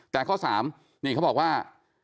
แต่ข้อสามเค้าบอกว่า